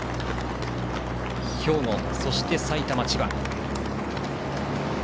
兵庫、そして埼玉、千葉。